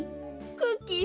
クッキー